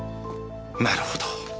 なるほど。